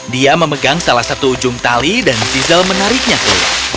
dia memegang salah satu ujung tali dan zizzle menariknya keluar